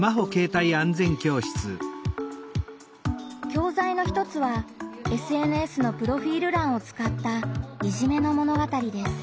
教材の一つはＳＮＳのプロフィール欄を使ったいじめのものがたりです。